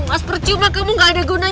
masa udah kangen